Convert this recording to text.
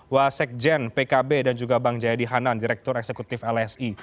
wasekjen pkb dan juga bang jayadi hanan direktur eksekutif lsi